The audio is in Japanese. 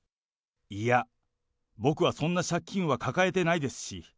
いや、僕はそんな借金は抱えてないですし。